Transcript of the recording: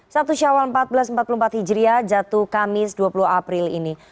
satu syawal seribu empat ratus empat puluh empat hijriah jatuh kamis dua puluh april ini